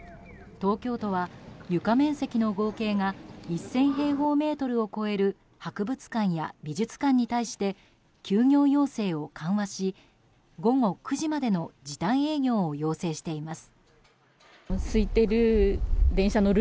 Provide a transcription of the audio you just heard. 東京都は床面積の合計が１０００平方メートルを超える博物館や美術館に対して休業要請を緩和し午後９時までの時短営業を要請しています。